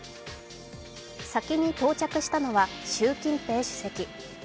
先に到着したのは習近平主席。